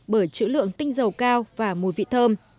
bởi chữ lượng tinh dầu cao và mùi vị thơm